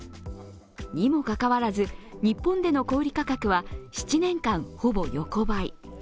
にもかかわらず日本での小売価格は、７年間、ほぼ横ばい。